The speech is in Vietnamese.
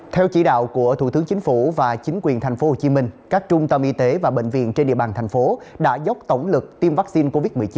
theo chỉ đạo của thủ tướng chính phủ và chính quyền tp hcm các trung tâm y tế và bệnh viện trên địa bàn thành phố đã dốc tổng lực tiêm vaccine covid một mươi chín